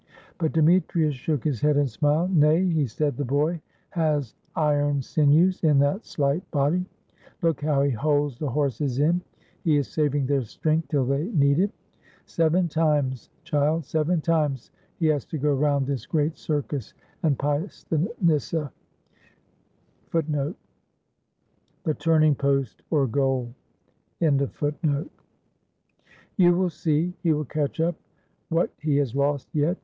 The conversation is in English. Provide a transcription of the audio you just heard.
But Demetrius shook his head and smiled. "Nay," he said, "the boy has iron sinews in that slight body. Look how he holds the horses in! He is saving their strength till they need it. Seven times, child, seven times he has to go round this great circus and past the nyssa.^ You will see, he will catch up what he has lost, yet.